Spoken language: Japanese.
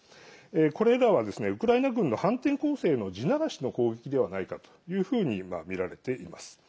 これらはウクライナ軍の反転攻勢の地ならしの攻撃ではないかというふうに見られています。